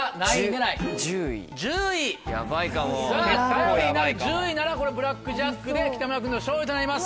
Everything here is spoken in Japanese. １０位ならブラックジャックで北村君の勝利となります。